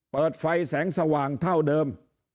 เปิดไฟแสงสว่างเท่าเดิม